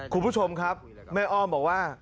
คุณผู้ชมครับแม่อ้อมบอกว่า